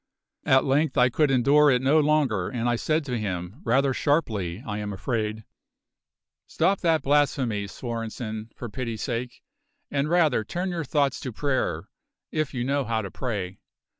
At length I could endure it no longer, and I said to him, rather sharply, I am afraid: "Stop that blasphemy, Svorenssen, for pity's sake, and rather turn your thoughts to prayer if you know how to pray.